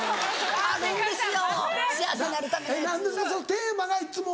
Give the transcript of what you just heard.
テーマがいっつも？